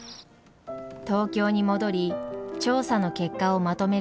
東京に戻り調査の結果をまとめる